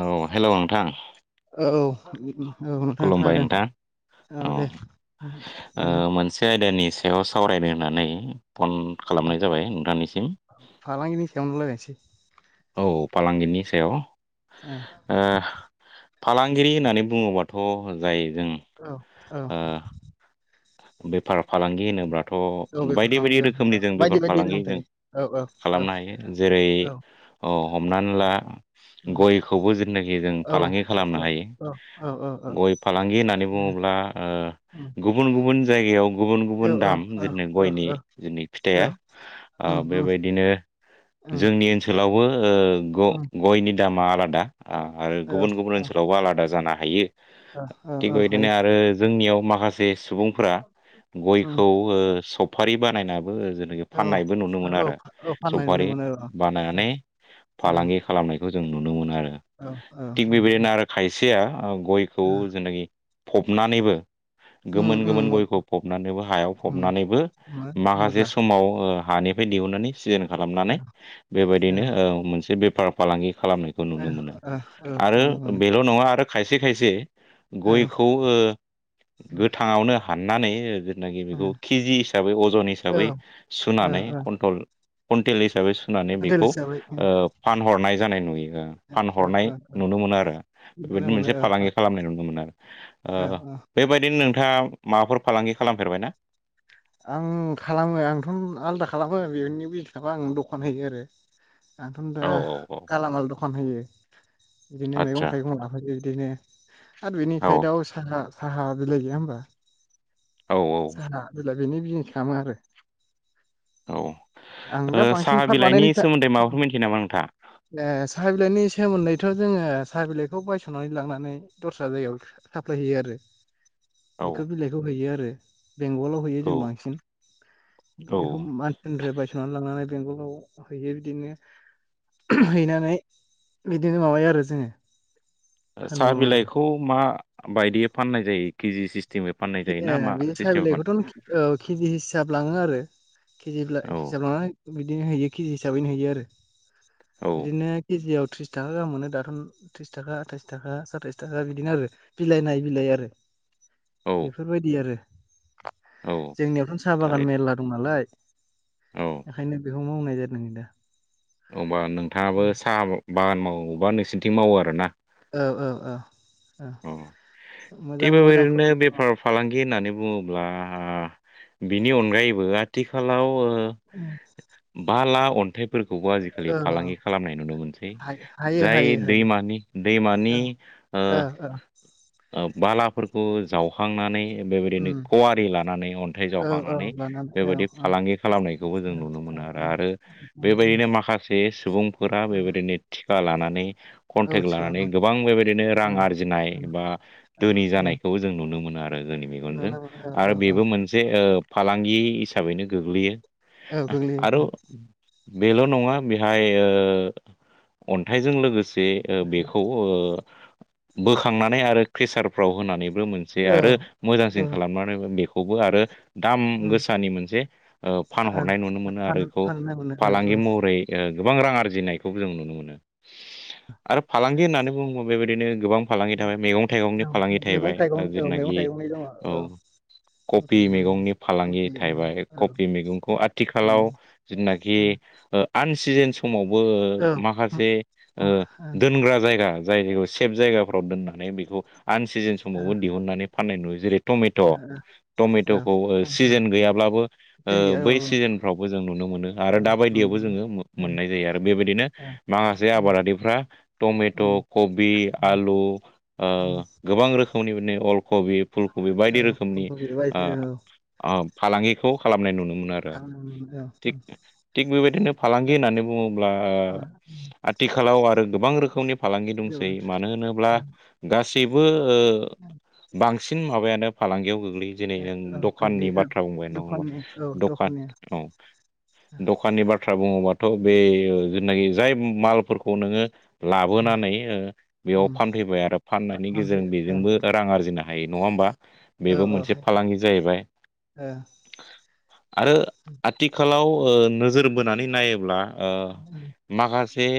औ हेलौ नोंथां [inaudible] औ [inaudible] खुलुमबाय खोनादों नोंथां अ औ दे ओ मोनसे आयदानिस सायाव सावरायनो होननानै फन खालामनाय जाबाय नोंथांनिसिम। फालांगिनि सायावनो रायलायनोसै औ फालांगिनि सायाव औ ओ फालांगिरि होननानै बुङोबाथ' जाय जों औ औ ओ बेफार फालांगि होनोब्ला औ थ' बेफार बायदि फालांगि बायदि रोखोमनि जों बायदि बेफोर बायदि फालांगि रोखोम जों थायो औ खालामनो हायो जेरै- औ औ हमनानै ला गयखौबो जेनाखि जों औ फालांगि खालामनो हायो। औ औ गय फालांगि होननानै बुङोब्ला बा ओ गुबुन गुबुन जाय गुबुन गुबुन दाम जोंनि औ गयनि जोंनि औ फिथाइया आ बेबायदिनो जोंनि ओनसोलावबो ओ उम उम ग-गयनि दामा आलादा आ आरो औ औ गुबुन गुबुन ओनसोलावबो आलादा जानो हायो। औ थिग औ हायो बेबायदिनो आरो जोंनियाव माखासे सुबुं उम गयखौ ओ सफारि बानायना बो जेनाखि औ फाननायबो नुनो मोनो औ आरो औ फाननाय नुनो सफारि मोनो औ औ बानायानै औ फालांगि खालामनायखौ जों नुनो मोनो आरो औ थिग औ बेबायदिनो आरो खायसेया गयखौ औ जेनाखि फबनानैबो उम गोमोन गोमोन उम गयखौ फबनानैबो हायाव उम फबनानैबो माखासे मजा समाव ओ हानिफ्राय दिहुननानै सिजेन खालामनानै औ बेबायदिनो औ ओ मोनसे बेफार फालांगि खालामनायखौ ओ नुनो मोनो औ औ आरो मोनो मोनो बेल' नङा आरो खायसे खायसे औ गयखौ ओ गोथाङावनो हाननानै जेनाखि बेखौ खिजि हिसाबै अजन औ हिसाबै सुनानै औ कन्टल-कुन्टेल हि साबै सुनानै औ बेखौ देलसो जाबाय औ ओ फानहरनाय जानाय नुयो औ औ फानहरनाय नुनो मोनो आरो नुनो बेबायदिनो मोनो मोनसे औ औ फालांगि खालामनाय नुनो मोनोआरो औ आ औ बेबायदिनो नोंथाङा माबाफोर फालांगि खालामफेरबाय ना? आं खालामो आंथ' आलदा खालामो बेनि बिलथाबा आं दखान होयो आरो आंथ' दा औ औ गालामाल द'खान होयो बिदिनो आदसा मैगं थाइगं लाफायो बिदिनो आरो औ बिनिखाय दाउ साखा साहा बिलाइ गैया होमबा? औ औ लोगोनि बिजनेस खामो आरो औ आं दा ओ बांसिन साहा पाट बिलाइनि बानायनाय सोमोन्दै माबाफोर मिथियो नामा नोंथाङा? ए साहा बिलाइनि सोमोन्दैथ' जोङो साहा बिलाइखौ बायस'नानै लांनानै दस्रा जायगायाव साप्लायहैयो आरो बेखो औ बिलाइखौ हैयो आरो बेंगलाव हैयो जों औ बांसिन औ बेखौ मान्त्रेनद्राय बाइ लांनानै बेंगलाव हैयो बिदिनो औ हैनानै बिदिनो माबायो आरो जोङो साहा फानबावो बिलाइखौ मा बायदियै फाननाय जायो केजि सिस ए बिदि साहा बिलाइखौथ' नों कि ओ केजि हिसाब लाङो आरो केजिब्ला औ हिसाबा बिदि हैयो केजि हिसाबैनो हैयो आरो औ बिदिनो के जि आव थ्रिस थाखा गाहाम मोनो दाथ' थ्रिस थाखा आथाइस थाखा साताइच थाखा बिदिनो आरो बिलाइ नायै बिलाइ आरो [inaudible] बेफोरबायदि आरो औ जोंनियावथ' साहा थारै बागान मेरला दं नालाय औ ओंखायनो बे बे मावनाय ज जादों ङो अ ओमबा नोंथाङाबो साहा बागान मावो बा नोंसोरनिंथिं मावो आरोना औ औ औ औ अह थिग मोजां मोजां बेबायदिनो प्रफिट दङ बेफार फालांगि होननानै बुङोब्ला ओ बिनि अनगायैबो आथिखालाव ओ औ ओ बाला अन्थाइ फोरखौबो आजिखालि फालांगि खालामनाय नुनो मोनसै हायो जाय हायो हायो दैमानि दैमानि ओ जाला ओ बालाफोरखौ जावखांनानै बेबायदिनो उम कवारि लानानै अन्थाइ औ औ जावखांनानै लानानै औ बेबायदि औ फालांगि खालामनायखौबो जों नुनो औ मोनो आरो औ आरो उम, उम, बेबायदिनो माखासे सुबुंफोरा बेबायदिनो लानानै औ कन्टेक्ट लानानै थिगानो गोबां बेबायदिनो औ रां आरजि नाय औ बा दोनि औ जानायखौ जों नुनो मोनो आरो आरो जोंनि मेगनजों नुनो मोनो औ आरो औ बेबो मोनसे ओ फालांगि हिसाबैनो गोग्लैयो। औ आरो गोग्लैयो बेल' नङा बेहाय ओ अन्थाइजों लोगोसे जे ओ बेखौ ओ बोखांनानै आरो केसारफ्राव होनानैबो मोनसे औ आरो औ मोजांसिन खालामनानै बेखौ खौबो आरो दाम उम गोसानि मोनसे ओ फानहरनाय नुनो मोनो आरो फाननो बेखौ फाननो मोनो औ औ फालांगि महरै ओ गोबां रां आरजिनायखौबो जों नुनो मोनो आरो फालांगि होननानै बुङोबा बेबायदिनो गोबां फालांगि थाबाय मैगं थाइगंनि फालांगि मैगं थाहैबाय थाइगं ओ औ मैगं जेनाखि थाइगंनि दङ मैगं औ कपि थाइगंनि दङ मैगंनि फालांगि होफैयो औ थाहैबाय औ औ कपि मैगंखौ उम, आथिखालाव जोंनाखि औ ओ आन सि सिजेन समावबो औ ओ उम, माखासे औ ओ औ दोनग्रा जायगा जाय जायगायाव सेब जायगाफ्राव दोननानै बेखौ आन सिजेन समावबो दिहुननानै फाननाय नुयो जेरै टमेट' टमेट'खौ ओ सिजेन गैयाब्लाबो औ औ बै औ सिजेनफ्रावबो जों नुनो मोनो। मोनो आरो औ दा उम बायदियावबो उम जोङो ओ मो-मोननाय जायो आरो बेबायदिनो ओ माखासे उम आबादारिफ्रा टमेट' ट' उम कबि उम आलु ओ उम गोबां रोखोमनि माने अल कबि फुलकबि बायदि औ रोखोमनि खिन्थु ओ बेबायदिनो औ ओ फालांगिखौ खालामनाय नुनो मोनो आरो। खालामनानै थिग थिग बेबायदिनो फालांगि होननानै बुङोब्ला औ आथिखालाव आरो गोबां रोखोमनि फालांगि दंसै। मानो होनोब्ला गासैबो ओ बांसिन माबायानो फालांगियाव गोग नै जेरै औ औ दखाननि गोग्लैयो औ बाथ्रा बुंबाय दङ दखाननि औ दखान दखाननि औ। दखाननि बाथ्रा बुङोबा थ बे ओ होननाय जाय मालफोरखौ नोङो उम लाबोनानै ओ बेयाव उम फानफैबाय आरो फाननायनि गेजेरजों फानफैयो औ बेजोंबो रां आरजिनो हायो नङा होमबा? औ बेबो औ मोनसे हाय फालांगि जाहैबाय। ओ आरो आथिखालाव ओ नोजोर बोनानै नायोब्ला ओ उम माखासे जे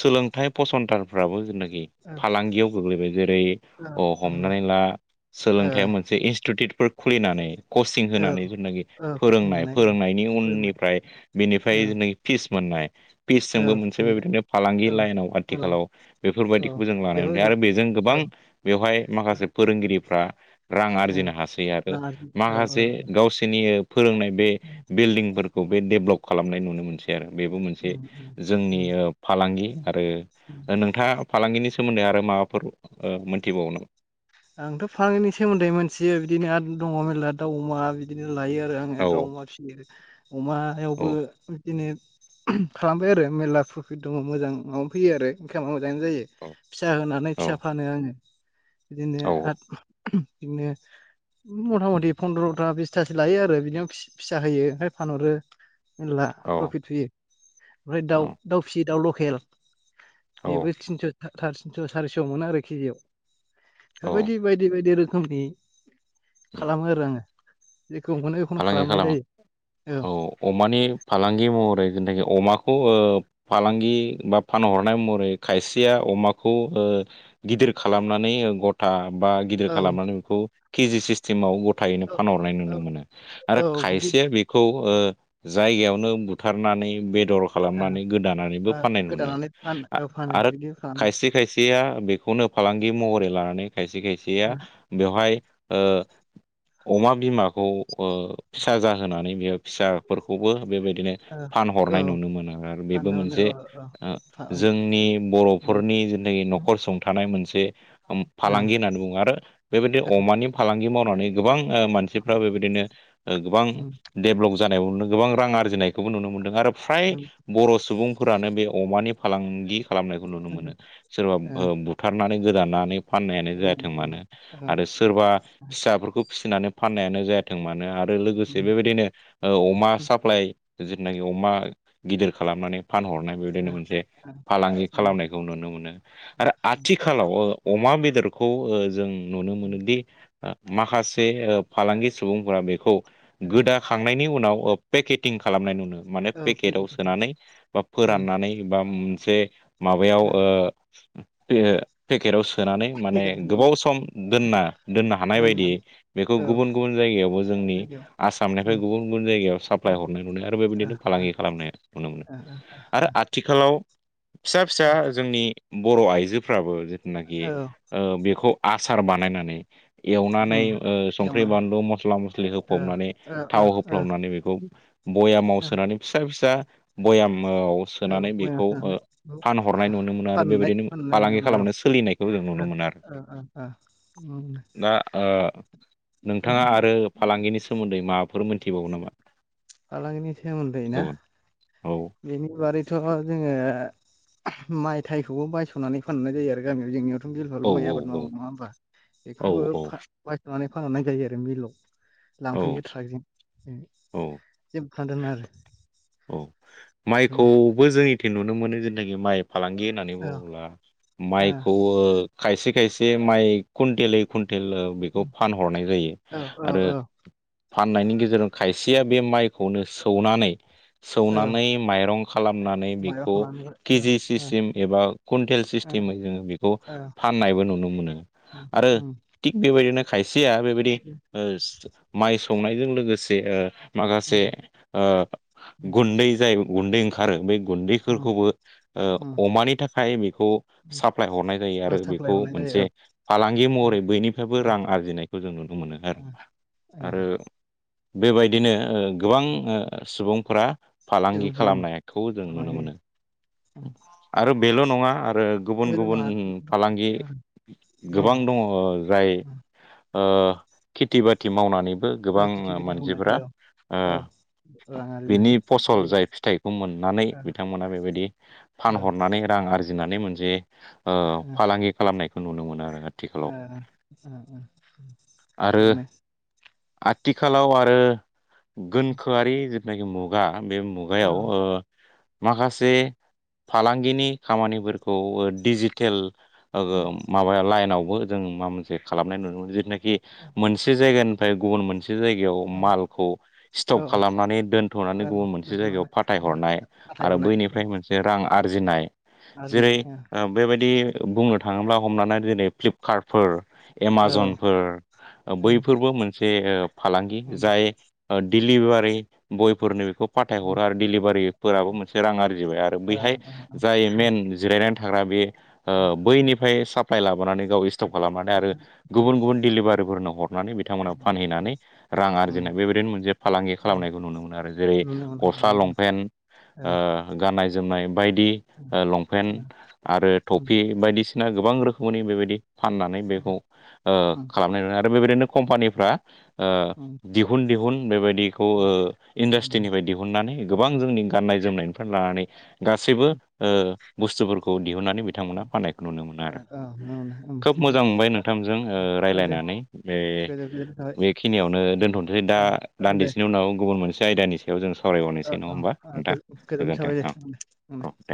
सोलोंथाइ फसंथानफ्राबो जोंनाखि ओ फालांगियाव गोग्लैबाय जेरै ओ अ ओ हमनानै ला। ओ सोलोंथाइया मोनसे इनस्टिटिउटफोर खुलिनानै कचिं औ होनानै जेनाखि औ फोरोंनाय फसायनानै औ फोरोंनायनि फोरोंबाय उननिफ्राय बेनिफ्राय औ नै फिस मोननाय पिसजोंबो औ मोनसे बे फोरोंबाय बिदिनो फालांगि लाइनाव औ औ आथिखालाव बेफोरबायदि औ खौ जों लानाय आरो बेफोरबायदि ओमफ्राय बेजों गोबां औ बेवहाय माखासे फोरोंगिरिफ्रा रां औ आरजिनो हासै आरो रां आरजिनो औ माखासे औ गावसोरनि ओ फोरोंनाय बे बिल्डिंफोर बे डेभ्लप खालामनाय नुनो मोनसै आरो बेबो मोनसे उम उम जोंनि उम फालांगि आरो उम नोंथाङा फालांगिनि सोमोन्दै आरो माबाफोर ओ मोनथिबावो नामा? आंथ' फालांनि सोमोन्दै मिथियो बिदिनो आरो दङ मेरला दाउ अमा बिदिनो। लायो आरो आङो दाउ औ अमा फिसियो। अमायावबो औ बिदिनो खालामबाय आरो मेरला प्रफिट दङ मोजां माबा फैयो आरो ओ। जायो औ फिसा होनानै औ फिसा फानो आङो। बिदिनो औ आरो बिदिनो मथा मथि फन्द्र'था बिसथासो लायो आरो बिदिनो फिसा होयो ओमाय फानहरो। मेरला औ प्रफिट फैयो ओमफ्राय दाउ औ दाउ फियो दाउ लकेल। औ बेबो थिनस' साराय थिनस सारिस' मोन आरो केजियाव। औ बेफोरबायदि बायदि बायदि रोखोमनि उम खालामो आरो आङो। जेखौ मोनो बेखौनो फालांगि खालामनाय खालामो जायो औ अमानि फालांगि महरै जिनदिगिआव अमाखौ ओ फालांगि बा फानहरनाय मोरै खायसेया अमाखौ ओ। गिदिर खालामनानै गथा बा गिदिर औ खालामनानै बेखौ केजि सिस्टेमाव गथायैनो औ फानहरनाय औ नुनो मोनो। औ आरो बिदि खायसे बेखौ जायगायावनो बुथारनानै बे दर ओ खालामनानै गोदानानैबो ओ फाननाय नुनो गोदानानै फान औ फानो आरो बिदि खालामो खायसे खायसेया बे बेखौनो फालांगि महरै लानानै खायसे खायसेया ओ बेवहाय ओ अमा बिमाखौ ओ फिसा जाहोनानै बेयो फिसाफोरखौबो बेबायदि बिदिनो ओ फानहरनाय औ नुनो मोनो आरो बेबो फाननो मोनो मोनसे औ औ फा औ जोंनि उम बर'फोरनि जेनाखि औ न'खर सुंथानाय मोनसे मोनसे उम फालांगि होननानै बुङो आरो बेबायदि अमानि फालांगि मावनानै गोबां मानसिफ्रा बेबायदिनो गोबां देबलब जानायावनो गोबां रां आरजिनाय खौबो नुनो मोनदों आरो फ्राय ओं बर' सुबुंफोरानो बे अमानि फालांगि खालामनायखौ नुनो मोनो ओं सोरबा बुथारनानै गोदानानै फाननायानो औ गोनां जाथों मानो होनबाय औ आरो सोरबा फिसाफोरखौ फिसिनानै फाननायानो जाया थों मानो आरो उम लोगोसे बेबायदिनो अमा उम ओ साप्लाइ जेनाखि अमा गिदिर खालामनानै फानहरनाय बेदिनो ओ मोनसे फालांगि उम खालामनायखौ नुनो मोनो उम आरो आथिखालाव ओ अमा बे देरखौ जों नुनो उम मोनोदि माखासे ओ फालांगि सुबुंफोरा बेखौ ओ गोदाखांनायनि उनाव पेकेटिं खालामनाय नुनो माने औ पेकेटाव फैगोन सोनानै बा औ फोराननानै बा मोनसे माबायाव ओ पेकेटाव सोनानै माने फैगोन होननानै गोबाव सम दोनना दोननो हानाय बायदि दोननानै बेखौ औ गुबुन गुबुन यावबो जोंनि जायगायाव आसामनिफ्राय उम गुबुन गुबुन जायगायाव ओ साप्लाय हरनाय नुनाय आरो बेबायदिनो फालांगि खालामनाय नुनो मोनो अ आरो आथिखालाव फिसा फिसा जोंनि बर' आइजोफ्राबो जिथुनाखि औ ओ बेखौ आसार बानायनानै एवनानै उम ओ संख्रि एवना बान मस्ला मस्लि ओ होफबनानै ओ ओ थाव ओ होफ्लबनानै बेखौ बयामाव ओ सोनानै फिसा फिसा बयाम औ सोनानै बयाम बेखौ सोनानै फानहरनाय नुनो मोनो आरो फाननाय बेबायदिनो फाननाय फालांगि मानाय औ खालामनानै सोलिनायखौ जों नुनो मोनो आरो दा ओ [unintelligible] ओ नोंथाङा आरो फालांगिनि सोमोन्दै माबाफोर मोनथिबावो नामा फालांगिनि सोमोन्दै ना गुबुन औ बेनि बारै थ' जोङो माइ थाइखौबो बायस'नानै फाननाय जायो आरो गामियाव जोंनियावथ' औ गिलुबालु माइ आबाद औ मावो नङा होमा बेखौबो औ फा बायस'नानै फानहरनाय जायो आरो मिलाव लांफैयो ट्राकजों औ औ फान्दोंनो आरो औ बेनो माइखौबो जोंनिथिं नुनो मोनो जिनदागि माइ फालांगि होननानै औ बुङोब्ला औ माइखौ खायसे खायसे माइ कुन्टेलै कुन तेलाव बेखौ फानहरनाय जायो औ आरो औ फाननायनि गेजेरजों खायसेया बे माइखौनो सौनानै औ सौना नै माइरं खालामनानै माइरं बेखौ खालामनानै केजि औ सिस्टेम एबा कुइन्टेल औ सिस्टेमै जोङो बेखौ औ फाननायबो नुनो मोनो उम आरो उम थिग बेबायदिनो सिया बेबायदि ओ माइ सौनायजों लोगोसे ओ माखासे उम ओ गुन्दै जाय गुन्दै ओंखारो बे उम गुन्दैफोरखौबो उम ओ अमानि थाखाय बेखौ साप्लाय हरनाय जायो उम आरो साप्लाय बेखौ हरनाय मोन जायो से फालांगि औ महरै बैनिफ्रायबो ओ रां आरजिनायखौ जों नुनो मोनो आरो आ आरो बेबायदिनो ओ गोबां ओ सुबुंफोरा दङ फालांगि खालामनायखौ जों नुनो मोनो आरो बेल' नङा आरो गुबुन गुबुन फालांगि गोबां दङ जाय ओ खेथि बाथि मावनानै बो गोबां खेथि बाथि मानसिफोरा मावनाय औ ओ औ रां आरजिनो बिनि हायो फसल जाय फिथाइखौ मोननानै बिथांमोना बेबायदि औ फानहरनानै रां आरजिनानै मोनसे फालांगि खालामनायखौ नुनो मोनो आरो आथिखालाव ओ ओ ओ ओ ओ आरो मोनो आथिखालाव आरो गोनखोआरि जिथुनाखि मुगा बे मुगायाव औ ओ माखासे फालांगिनि खामानिफोरखौ ओ डिजिटेल ओ माबा लाइनाव जोङो माबा मोनसे खालामनाय नुनो मोनो जिथुनिखि मोनसे जायगानिफ्राय गुबुन मोनसे जायगायाव मालखौ स्टप औ खालामनानै दोनथ'नानै औ गुबुन मोनसे जायगायाव दोनथ'नानै फाथायहरनाय फाथाय आरो हरनाय औ। बैनिफ्राय मोनसे रां आरजिनाय जेरै औ ओ बेबाय दि बुंनो थाङोब्ला हमनानै जेरै फ्लिपकार्टफोर, एमाजनफोर औ बैफोरबो मोनसे ओ फालांगि उम जाय ओ डिलिभारि बयफोरनो बेखौ उम फाथायहरो आरो डिलिभारिफोराबो मोनसे रां आरजिबाय आरो। बैहाय जाय मेन जिरायनानै थाग्रा बे ओ बैनिफ्राय साप्लाय लाबोनानै गाव स्टप खालामनानै आरो गुबुन गुबुन डिलिभारिफोरनो हरनानै बिथांमोना उम फानहैनानै रां आरजिनाय बेबायदिनो मोनसे फालांगि खालामनायखौ नुनो मोनो आरो जेरै- नुनो मोनो गसला, नुनो मोनो लंपेन्ट औ ओ गाननाय बायदि उम ओ लंपेन्ट आरो उम टफि बायदिसिना गोबां रोखोमनि बेबायदि फाननानै बेखौ ओ उम खालामनाय आरो बेबायदिनो कम्पानिफ्रा ओ उम दिहुन दिहुन बेबायदिखौ ओ उम इन्डास्ट्रिनिफ्राय दिहुननानै गोबां औ जोंनि गाननाय जोमनायनिफ्राय लानानै गासैबो ओ बुस्थुफोरखौ दिहुननानै औ बिथांमोनहा फाननायखौ नुनो मोनो आरो। नंगौनो खोब ओमफ्राय मोजां मोनबाय दा नोंथांजों ओ औ दे रायलायनानै बे गोजोन गोजोननाय बेखिनियावनो दोनथ'नोसै दा थाबाय ओ दान्दिसेनि उनाव गुबुन मोनसे आयदानि सायाव जों सावरायबावनोसै ओम नङा ओम होमबा ओम नोंथां गोजो-गोजोन्नाय गोजोन्थों थाबाय औ दे ओम। औ दे